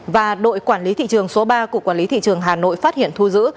và đội quản lý thị trường số ba cục quản lý thị trường hà nội phát hiện thu giữ